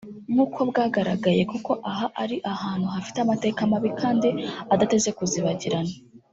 nk’uko bwagaragaye kuko aha ari ahantu hafite amateka mabi kandi adateze kuzibagirana